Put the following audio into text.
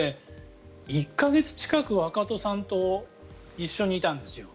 １か月近くワカトさんと一緒にいたんです。